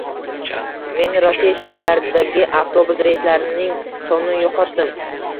Men Rossiya shaharlaridagi avtobus reyslarining sonini yo'qotdim